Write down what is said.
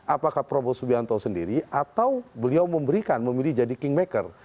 apakah prabowo subianto sendiri atau beliau memberikan memilih jadi kingmaker